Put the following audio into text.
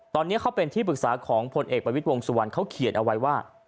ตอนนี้เขาเป็นที่ปรึกษาของพลเอกประวิทย์วงสุวรรณเขาเขียนเอาไว้ว่า